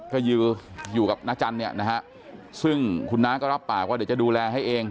ใช่เษย์อยู่กับน้าจันเนี่ยซึ่งคุณน้าก็รับปากว่าเด็กจะดูแลให้เอง